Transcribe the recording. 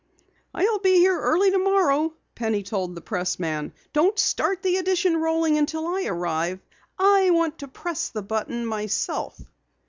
"I'll be here early tomorrow," Penny told the pressman. "Don't start the edition rolling until I arrive. I want to press the button myself."